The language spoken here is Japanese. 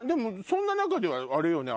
そんな中ではあれよね